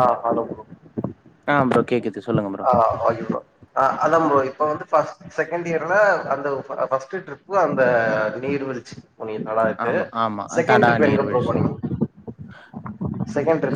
ஆஹ் hello ஆஹ் bro கேக்குது சொல்லுங்க ப்ரோ ஆஹ் ஆயோ ஆஹ் அதாம் ப்ரோ இப்போ வந்து ஃபா செகண்ட்டியர்ல அந்த பா - பஸ்ட்டு டரிப்பு அந்த நீர்வீழ்ச் அது என்னலாய்ட்டு ஆமா ஆமா செக்கெண் தடா ட்ரிப் எங்க போகணு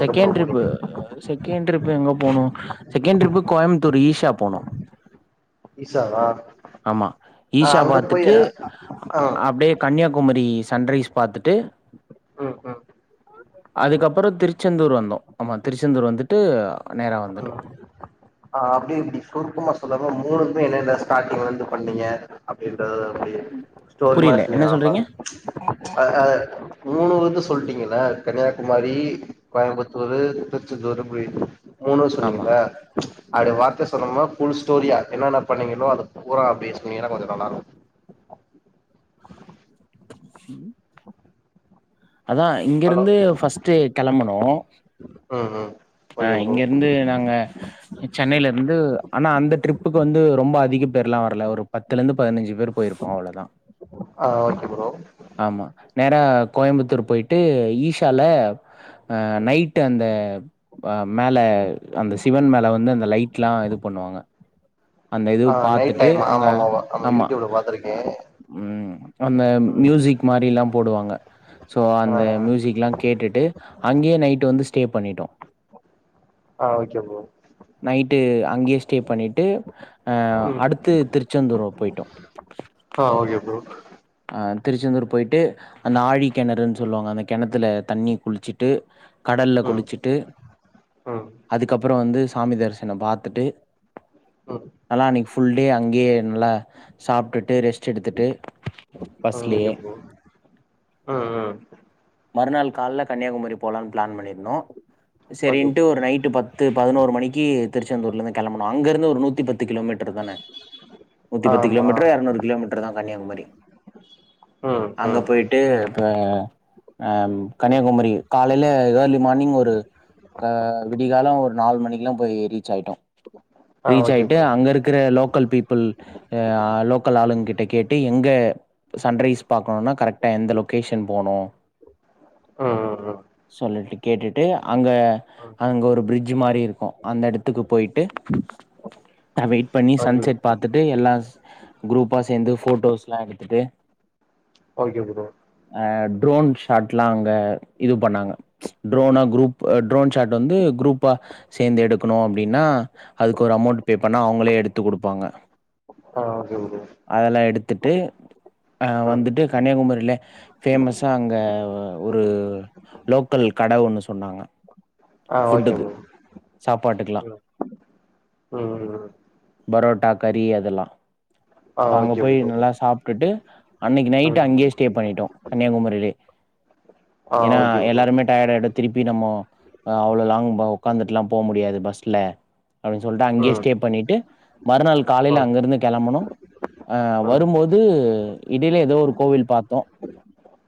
செகேண் ட்ரிப்பு செகேண்ட் ட்ரிப்பு எங்க போனு செகேண் ட்ரிப்பு கோயமுத்தூர் ஈஷா போனோ ஈஷாவா ஆமா ஆ ஈஷா அங்க போய் பாத்துட்டு ஆ அப்டியே கன்னியாகுமரி சன்ரைஸ் பாத்துட்டு உம் உம் அதுக்கப் அப்பறோ திருச்செந்தூர் வந்தோ ஆமா திருச்செந்தூர் வந்துட்டு நேரா வந்துட்டோ உம் ஆஹ் அப்டி இப்பிடி சுருக்குமா சொல்ல மூணுத்துக்கு என்னென்ன ஸ்டாடிங்ல இருந்து பண்ணீங்க அப்டின் றத அப்டியே ஸ்டோரி மாரி புரியல என்ன சொல்லிலால சொல்றீங்க அ ஆஹ் மூணு வந்து சொல்டீங்குள கன்யாகுமாரி கோயம்புத்தூரு திர்ச்செந்தூரு போய் னோ ஆமா சொன்னீங்கள அப்டி வார்த்த சொல்லனுமா ஃபுல் ஸ்டோரியா என்னென்ன பண்ணீங்களோ அத பூரா அப்டியே சொன்னீங்கனா கொஞ்ச நல்லாரு அதா இங்க ஹலோ இருந்து ஃபர்ஸ்ட்டு கெளம்புனோ அஹ் ஹ அஹ் இங்க இருந்து நாங்க சென்னேல இருந்து ஆனா அந்த ட்ரிப்புக்கு வந்து ரொம்ப அதிக பேர்ல்லா வர்ல ஒரு பத்துல இருந்து பதினஞ்சு பேரு போயிருப்போ அவ்ளோதான் ஆஹ் ஓகே ப்ரோ ஆமா நேரா கோயம்புத்தூர் போயிட்டு ஈஷால அ நைட்டு அந்த அஹ் மேல அந்த சிவன் மேல வந்து அந்த லைட்லா இது பண்ணுவாங்க அந்த இது ஆ நைட் பாத்துட்டு டைம் அங்க ஆமா ஆமா யூடியூப்ல பாத்துருக்கே உம் அந்த ம் மியூசிக் மாரில்லாம் போடுவாங்க ஸோ அந்த ஆ மியூசிக்லா கேட்டுட்டு அங்கேயே நைட்டு வந்து ஸ்டே ஸ்டே பண்ணிட்டோ ஆ ஆ ஓகே ப்ரோ நைட்டு அங்கே ஸ்டே பண்ணிட்டு அஹ் ம் அடுத்து திருச்செந்தூர் போயிட்டோ ம் அ திருச்செந்தூர் போயிட்டு அந்த ஆழி கிணறுன்னு சொல்லுவாங்க அந்த கிணத்துல தண்ணி குளிச்சுட்டு கடல்ல ம் குளிச்சுட்டு ம் அதுக்கப்புறோ வந்து சாமி தரிசனம் பாத்துட்டு ம் நாலா அன்னைக்கு ஃபோன் ஃபுல் டே அங்கேயே நல்லா சாப்பிட்டுட்டு ரெஸ்ட் எடுத்துட்டு ம் பஸ்லயே. ஓகே ப்ரோ உம் உம் மறுநாள் கால்ல கன்னியாகுமரி போலாம்னு பிளான் பண்ணிரு ஓகே சரின்ட்டு ப்ரோ ஒரு நைட்டு பத்து பதினோரு மணிக்கு திருச்செந்தூர்ல இருந்து கிளம்புனோ அங்க இருந்து ஒரு நூத்தி பத்து கிலோ மீட்டர் தானே நூத்தி பத்து ஆமா கிலோமீட்டர் இருநூறு கிலோமீட்டர் தான் கன்னியாகுமரி ம் அங்க ம் போயிட்டு ஆஹ் ஹம் ம் கன்னியாகுமரி காலைல ஏர்லி மார்னிங் ஒரு விடிய காலம் ஒரு நால் மணிக்குலாம் போய் ரீச் ஆய்ட்டோம் ஆ ரீச் ஓகே ஆயிட்டு ப்ரோ அங்க இருக்குற லோக்கல் பீப்புள் அஹ் லோக்கல் ஆளுங்க கிட்ட கேட்டு எங்க சன்ரைஸ் பாக்கணும்னா கரெக்ட்டா எந்த லொகேஷன் போனும் ம் ம் சொல்ல அவுங்கள்ட கேட்டுட்டு அங்க ம் அங்க ஒரு பிரிட்ஜ் பிரிட்ஜ் மாரி இருக்கும் அந்தடுத்து வீட்டுக்கு போயிட்டு வெயிட் பண்ணி ம் ஓகே ப்ரோ சன்செட் பாத்துட்டு எல்லா குரூப்பா சேந்து போட்டோஸ்லா திட்டு ஓகே ப்ரோ ட்ரோன் ஷாட்லாம் அங்க இது பண்ணாங்க ட்ரோனா குரூப் ட்ரோன் ஷா்ட் வந்து குரூப்பா சேந்து எடுக்கணும் அப்டின்னா அதுக்கு ஒரு அமௌண்ட் பே பண்ண அவங்களே எடுத்து கொடுப்பாங்க ஆஹ் ஓகே ஓகே துட்டு ஆஹ் வந்துட்டு கன்னியாகுமரியில பேமஸா அங்க ஒ ஒரு லோக்கல் கட ஒன்னு சொன்னாங்க ஆ ஓகே ஃபுட்டுக்கு ப்ரோ சாப்பாட்டுக்குலாம் ம் ம் ம் ம் பரோட் டா கறி அதெல்லாம் ஆ அங்க ஓகே போய் ப்ரோ நல்லா சாப் பிரட்டு அன்னைக்கு நைட்டு ம் அங்கே ஸ்டே பண்ணிட்டோம் கன்னியாகுமரியிலே ஆ ஏன்னா ஓகே ப்ரோ எல்லாருமே டயர்ட் ஆய்ட்டோம் திருப்பி நம்மோ அவ்ளோ லாங் போ உக்காந்துட்டுலாம் போ முடியாது பஸ் சில அப்டின்னு சொல்லிட்டு அங்கே ம் ஸ்டே பண்ணிட்டு மறுநாள் காலையில ஓகே அங்கிருந்து கெளம்பனும் ஆஹ் ம் வரும்போது து இடைல ஏதோ ஒரு கோவில் பாத்தோம்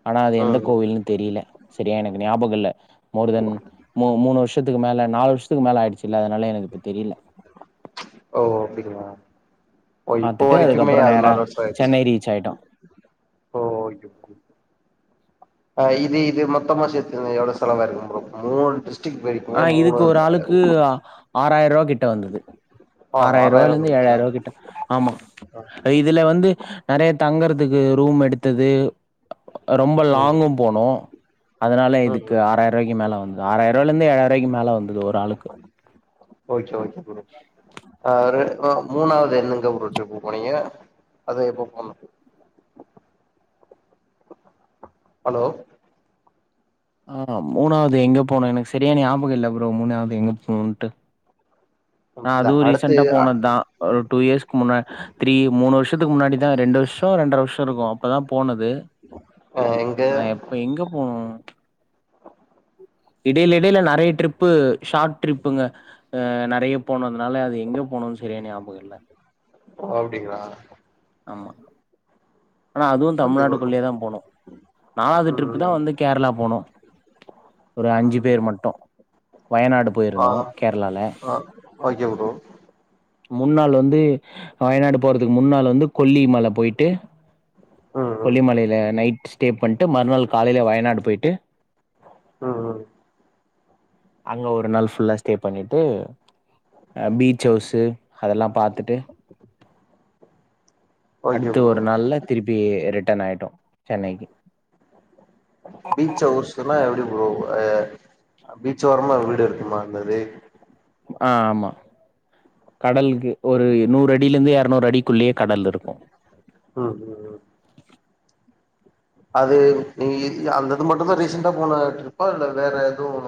ஆனா அது எந்த ம் கோவில்ன்னு தெரியல சரியா எனக்கு ஞாபகம் இல்ல மோர் தென் மூ மூணு வருஷத்துக்கு மேல நாலு வருஷத்துக்கு மேல ஆயிடுச்சு இல்ல அதனால எனக்கு இப்ப தெரியல ஓ அப்டிங்களா ஓ இப்போ பாத்துட்டு வரைக்குமே அதுக்கப்புறம் அது நேர நாலு வருஷோ ஆயிடுச்சு சென்னை ரீச் ஆயிட்டோம் ஆஹ் இது இது மொத்தமா சேத்து எவ்ளோ செலவு ஆயிருக்கும் ப்ரோ மூன்னு ஆஹ் இதுக்கு ஒரு ஆளுக்கு ஆறாயிரூபா கிட்ட வந்தது ஆ ஆறாயிரம் ஆறாயிரோ ரூபாயல இருந்து வந்துருச்சா ஏழாயிரம் ரூபா கிட்ட ஆமா ஆ இதுல வந்து நெறைய தங்குறதுக்கு ரூம் எடுத்தது ரொம்ப ம் லாங்கும் போனோம் அதனால இதுக்கு ம் ம் ஆராயிரூபாக்கு மேல வந்து ஆராயிரூபா ஏழாயிரூபாய்க்கு மேல வந்தது ஒரு ஆளுக்கு ஓகே ஓகே ஆஹ் ஓ மூணாவது என்னங்க ஒரு டிர்ப்பு போனீங்க அது எப்ப போனும் ஹலோ ஆஹ் மூணாவது எங்க போனன்னு சரியா ஞாபகம் இல்ல ப்ரோ மூணாவது எங்க போணுட்டு ஆஹ் இல்ல அதுவும் அடுத்து ரீசன்டா போனதுதான் ஒரு டூ இயர்ஸ்கு முன்னா திரீ மூணு வருஷத்துக்கு முன்னாடிதான் ரெண்டு வருஷம் ரெண்டர வருஷம் இருக்கும் அப்பதான் போனது அ எங்க ஆனா எப்ப எங்க போனும் இடையில இடையில நெறயா ட்ரிப்பு ஷார்ட் ட்ரிப்புங்க ஆஹ் நெறயா போனம் அதால அது எங்க போனும்னு சரியா ஞாபக இல்ல ஓ அப்டிங்களா ஆமா ஆனா அதுவும் ஓகே ப்ரோ தமிழ்நாட்டுக்குள்ளயே தான் போனோம் நாலாவது ட்ரிப் ம் தான் வந்து கேரளா போனோம் ஒரு அஞ்சு ம் பேர் மட்டும் வயநாடு ஆ போயிருந்தோம் கேரளால ஆ ஓகே ப்ரோ முன்னால் வந்து வயநாடு போறதுக்கு முன்னால் வந்து கொல்லிமலை போயிட்டு ம் ம் கொல்லிமலிலே நைட் ஸ்டே பண்ணிட்டு மறுநாள் காலை காலையில வயநாடு வயநாடு போயிட்டு ஆஹ்ஹ அங்க ஒரு நாள் ஃபுல்லா ஸ்டே பண்ணிட்டு அஹ் பீச் ஹவுஸ் அதெல்லாம் பாத்துட்டு ஓகே அடுத்த ப்ரோ ஒரு நாள்ல திருப்பி ரிட்டன் ஆயிட்டோம் சென்னைக்கு பீச் ஹவுஸ்னா எப்டி ப்ரோ ஆ பீச் ஓரமா வீடு இருக்குமா அங்க ஆஹ் ஆமா கடலுக்கு ஒரு ம் நூறு அடியில இருந்து இன்னொரு அடி உள்ளேயே கடல் இருக்கும் ம் ம் அது நீ அந்தது மட்டும் தான் ரீசண்டா போன டிரிப்பா இல்ல வேற எதுவும்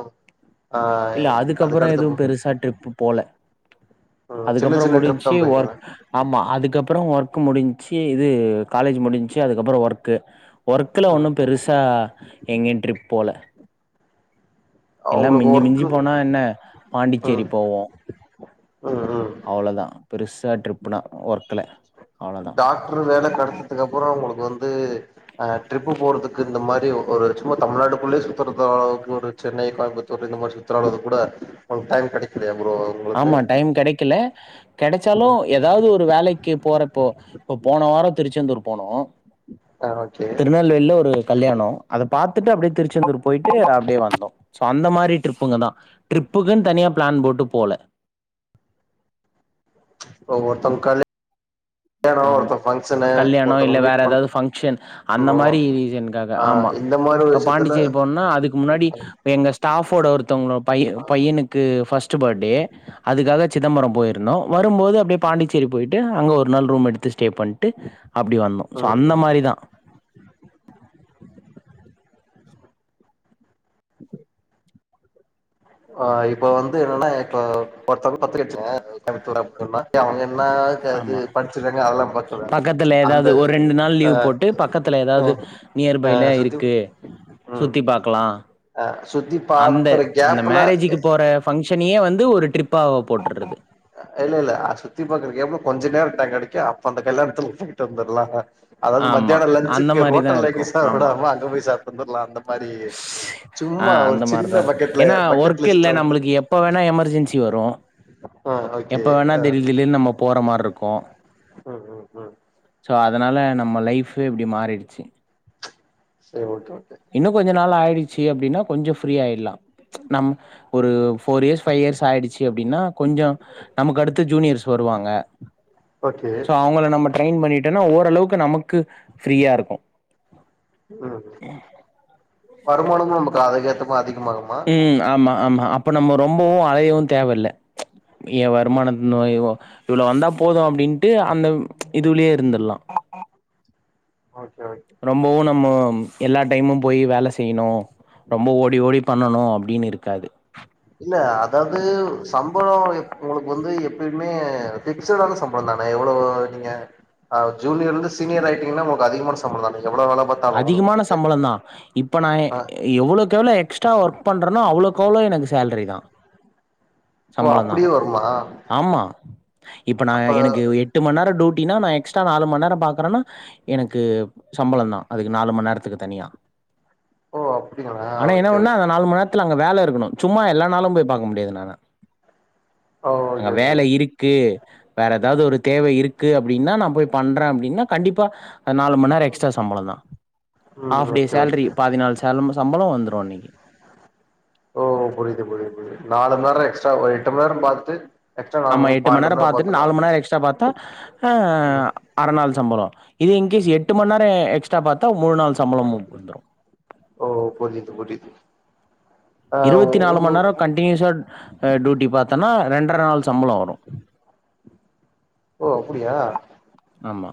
இல்ல அதுக்கப்புறம் எதுவும் பெருசா டிரிப் போல ம் சின்ன அதுக்கப்புறம் சின்ன ட்ரிப் தா முடிஞ்சு ஒர்க் போயிருக்கீங்களா ஆமா அதுக்கப்புறம் அப்றம் ஒர்க் முடிஞ்சு இது காலேஜ் முடிஞ்சு அதுக்கப்பறம் ஒர்க்கு ஒர்க்கல ம் ஒன்னும் பெருசா எங்லையும் டிரிப் போல எல்லாம் உங்களுக்கு மிஞ்சி மிஞ்சி ஒர்க்கு போனா என்ன பாண்டிச்சேரி ம் போவோம் ம் ம் அவ்ளவுதான் பெருசா டிரிப்னா ஒர்க் கலே டாக்டர் வேலை கேடைச்சதுக்கப்புறம் உங்களுக்கு வந்து டிரிப் போறதுக்கு இந்த மாதிரி ஒரு சும்மா தமிழ்நாட்டுக்குள்ள சுத்துற அளவுக்கு ஒரு சென்னை கோயம்புத்தூர் இந்த மாதிரி சுத்துற அளவுக்கு கூட கிடைக்கலையா ப்ரோ உங்களுக்கு ஆமா டைம் கிடைக்கல கிடைச்சாலும் ம் ஏதாவது ஒரு வேலைக்கு போறப்போ இப் போன வாரம் திருச்செந்தூர் போனோம் ஆ ஓகே திருநெல்வேலில ஒரு கல்யாணம் அதை பாத்துட்டு அப்படியே திருச்செந்தூர் போயிட்டு அப்படியே வந்தோம் சோ அந்த மாதிரி டிரிப்புங்கதான் டிரிப்புக்குன்னு தனியா பிளான் போட்டு போல ஒருத்தவங்க கல்யாணம் ஆமா கல்யாணம் இல்ல ஒருத்தவங்க வேற மீட் ஏதாவது பங்ஷன்னு அந்த பண்ணணு மாதிரி ரீசனுக்காக ஆ ஆமா இந்த மாரி ஒரு இப்ப விஷயத்துல பாண்டிச்சேரி போனோம்னா அதுக்கு முன்னாடி எங்க ஸ்டாப் ஒருத்தவங்களோட பைய பையனுக்கு பஸ்ட் ஃபர்ஸ்ட் பர்த்டே அதுக்காக சிதம்பரம் போயிருந்தோம் வந்து வரும்போது அப்டியே பாண்டிச்சேரி போயிட்டோம் அங்க ஒரு நான் ரூம் எடுத்து ஸ்டே பண்ட்டு அப்டி வந்தோம் சோ ம் அந்த ம் மாதிரி தான் ஆஹ் இப்ப வந்து என்னன்னா இப்ப [unintelligible] நா கது ஆமா படிச்சங்க அதெல்லாம் பக்க பக்கத்துல அந்த ஏதாவது ஒரு ரெண்டு நாள் அ லீவ் போட்டு பக்கத்துல ஏதாவது அஹ் அ நியர்பைல இருக்கு ம் சுத்தி பாக்கலா ஈ சுத்தி அந்த பாத்துருக்கே அந்த மேரேஜுக்கு போற பங்க்ஷனையும் வந்து ஒரு ட்ரிப்பா போட்டுறது இல்ல இல்லலை சுத்தி பாக்குறக்கே எப்போ கொஞ்ச நேரம்ட்டாங்க கிடைக்க அப்ப அந்த கல்யாணத்துல போயிட்டு வந்துடலாம் அதாவது ஆமா மத்தியானம் அந்த லஞ்சுக்கு மாரிதா ஹோட்டல் ஆகி சார் விடாம அங்க போய் சார் வந்தர்லாம் ஆஹ் அந்த மாதிரிதான் இரு பக்கெட்ல ஏன்னா பக்கெட் ஒர்க்க இல்ல லிஸ்ட்ல வந்து நம்மளுக்கு எப்ப வேணா எமெர்ஜென்சி வரும் ஆ ஓகே எப்போ வேணா திடீ தில்னு நம்ம போற மாறி இருக்கும் உஹம் உஹம் உஹம் ஸோ அதனால நம்ம லைஃப இப்டி மாறிடுச்சு சர்வு இன்னும் கொஞ்சம் நாள் ஆயிடுச்சு அப்டின்னா கொஞ்சம் ஃப்ரீய ஆயிடலாம் நம் ஒரு ஃபோர் இயர்ஸ் ஃபைவ் இயர்ஸ் ஆயிடுச்சு அப்டின்னா கொஞ்சம் நமக்கு அடுத்து ஜூனியர்ஸ் வருவாங்க ஓகே சோ அவங்கள நம்ம ட்ரெயின் பண்ணிட்டோனா ஓரளவுக்கு நமக்கு ஃப்ரீயா இருக்கும் உஹம் வருமானமும் நமக்கு ஆதுக்கேத்தமாரி அதிக ம்மாகமா ம் ஆமா அப்ப நம்ம ரொம்பவும் அழையவும் தேவ இல ஏ ம் வருமானத்துனோயுவோ இவ்வளவு வந்தா போதும் அப்டின்ட்டு அந்த இதுவுலயே இருந்திடலாம் ஓகே ஓகே ரொம்பவும் நம் ம எல்லா டைமும் போய் வேலை செய்யணும் ரொம்ப ஓடி ஓடி பண்ணணும் அப்டின்னு இருக்காது இல்ல அதாவது சம்பளம் உங்களுக்கு வந்து எப்பயுமே ஃபிக்சடான சம்பளம் தானே எவ்வளவு நீங்கஹ் ஜூனியர்ல இருந்து சீனியர் ஆயிட்டீங்கன்னா உங்களுக்கு அதிகமான சம்பளம் தானே எவ்ளோ வேல பாத்தாலு அதிகமான உங்களுக்கு சம்பளம் தான் இப் ப்ப நான் ஆ எவ்வளவுகவ்ளோ எக்ஸ்ட்ரா ஒர்க் பண்றேனோ அவ்ளோ அவ்ளவோ எனக்கு சேல்ரி தான் ஓ சம்பளம் தான் அப்டியே வருமா ஆமா இப்ப அப்ப நான் எனக்கு எட்டு மணி நேரம் டூட் அப்டின்னா நா எக்ஸ்ட்ரா நாலு மணி நேரம் பாக்குறன்னா எனக்கு சம்பளம் தான் அதுக்கு நாலு மணி நேரத்துக்கு தனியா ஓ அப்டிங்களா ஆனா என்ன ஓகே ஒண்ணா அந்த ஓகே நாலு மணி நேர அங்க வேலை இருக்கணும் சும்மா எல்லா நாளும் போய் பார்க்க முடியாது என்னல ஓ அங்க ஓகே ஓகே வேலை இருக்கு வேற ஏதாது ஒரு தேவை இருக்கு அப்டின்னா நான் போய் பண்றேன் அப்டின்னா கண்டிப்பா நாலு மணிநேர எக்ஸ்ட்ரா சம்பளம் தான் ம் half day okay salary okay பாதிநாள் சே சம்பளம் வந்துரும் அன்னைக்கு ஓ புரியுது புரியுது புரியுது நாலு நேரம் எக்ஸ்ட்ரா எட்டு மணி நேரம் பாத்துட்டு எக்ஸ்ட்ரா நாலு ஆமா எட்டு மணி நேரம் பாத்துட்டு நாலு மணி நேரம் எக்ஸ்ட்ரா பாத்தா ஆஹ் ம் அரை நாள் சம்பளம் இது இன்கேஸ் எட்டு மணி நேரம் எக்ஸ்ட்ரா பாத்தா மூணு நாள் சம்பளமும் வந்துரும் ஓ புரிது புரிது இருபத்தி நாலு மணி நேரம் கண்டினியூஸா டியூட்டி பாத்தன ரெண்டரை நாள் சம்பளம் வரும் ஓ அப்பிடியா ஆமா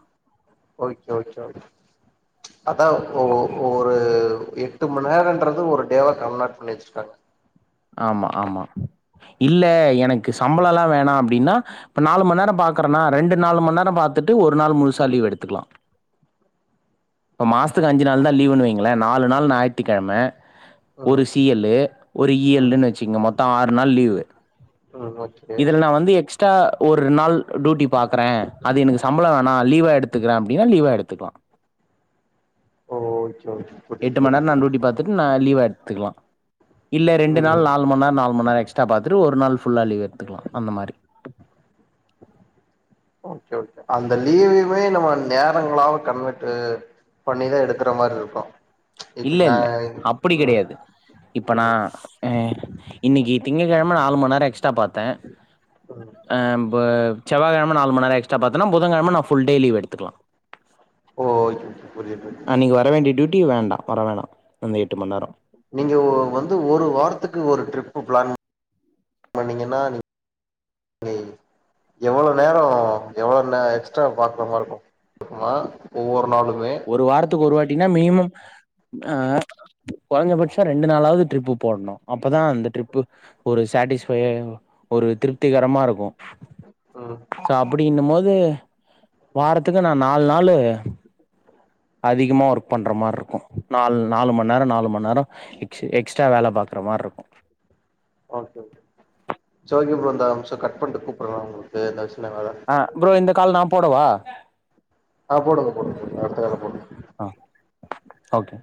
ஓகே ஓகே அதான் ஒ ஒரு எட்டு மணி நேரங்கிறது ஒரு டேவா கன்வர்ட் பண்ணி வச்சிருக்காங்க ஆமா ஆமா இல்ல எனக்கு சம்பளம் எல்லா வேணாம் அப்டின்னா இப்ப நாலு மணி நேரம் பாக்குறேனா ரெண்டு நாலு மணி நேரம் பாத்துட்டு ஒரு நாள் முழுசா லீவ் எடுத்துக்கலாம் மாஸ் த்துக்கு அஞ்சு நாளு தான் லீவுன்னு வைங்க நாலு நாள் ஞாயிற்றுக்கிழமை ஒரு ம் சி எல்லு ஒரு இ ம் எல்னு வச்சிக்கங்க மொத்தம் ஆறு நாள் லீவு ம் ஓகே இதுல நான் வந்து எக்ஸ் எக்ஸ்ட்ரா ஒரு நாள் டியூட்டி பாக்குறேன் அது எனக்கு சம்பளம் வேணா லீவா எடுத்துக்கிறேன் அப்பிடின்னா லீவா எடுத்துக்கலாம் ஓ ஓகே ஓகே எட்டு புரியுது மணி நேரம் புரியுது நா டூட்டி பாத்துட்டு நா லீவா எடுத்துக்கலாம் இல்ல ரெண்டு நாள் ம் நாலு மணி நேரம் நாலு மணி நேரம் எக்ஸ்ட்ரா பாத்துட்டு ஒரு நாள் ஃபுல்லா லீவு எடுத்துக்கலாம் அந்த மாரி ஓகே ஓகே அந்த லீவுமே நம்ம நேரங்கள கன்வெர்ட் பண்ணி தான் எடுக்கிற மாரி இருக்கும் இல்ல இல்ல அப்பிடி கிடையாது இப்ப ம் நான் அஹ் இன்னைக்கு திங்கட்கிழமை நாலு மணி நேரம் எக்ஸ்ட்ரா பார்த்தேன் ம் ஆஹ் பா செவ்வாய்க்கிழமை நாலு மணி நேரம் எக்ஸ் ட்ரா பாத்தேனா புதன்கிழமை நான் ஃபுல் டே லீவ் எடு த்துக்கலாம் ஓ புரியுது புரியுது ஆ நீங்க வரவேண்டிய டூட் டி வேண்டாம் வர வேண்டாம் வந்த எட்டு மணிநேரம் நீங்க வந்து ஒரு வாரத்துக்கு ஒரு ட்ரிப் ப்ளான் பண்ணீங்கன்னா நீ எவ்ளோ நேரம் எவ்ளோ எக்ஸ்ட்ரா பாக்குற மாறி இருக்கும் ஒவ்வொரு நாளுக்கும் ஒரு வாரத்துக்கு ஒரு வாட்டினா மினிமம் ஆஹ் குறைந்தபட்சம் ரெண்டு நாளாது ட்ரிப் போடணும் அப்பதான் அந்த ட்ரிப்பு ஒரு சேட்டிஸ்ஃபை ஒரு திருப்திகரமா இருக்கும் உம் ன்னுமோது வாரத்துக்கு நா நால் நாலு அதிகமா ஒர்க் பண்ற மார் இருக்கும் நால் நாலு மண் நேரம் நாலு மண் நெரம் எக்ஸு எக்ஸ்ட்ரா வேல பாக் ற மார் இருக்கும் ஓகே ப்ரோ செர் ஓகே ப்ரோ இந்தெ ஒரும்ச கட் பண்டு கூப்பற்ற ஒங்லுக்கு ஆஹ் ப்ரோ இந்த கால் நா போடவா ஆஹ் போடுங்க போடுங்க போடுங்க அடுத்த கால் போட்டுங்க ஆ ஓகே